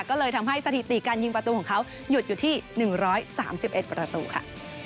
ก็เลยทำให้สถิติการยิงประตูของเขาหยุดอยู่ที่๑๓๑ประตูค่ะ